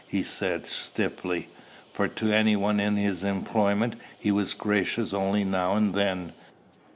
he said stiffly; for to any one in his employment he was gracious only now and then.